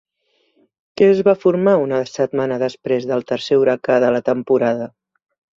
Què es va formar una setmana després del tercer huracà de la temporada?